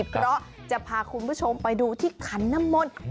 เพราะจะพาคุณผู้ชมไปดูที่ขันน้ำมนต์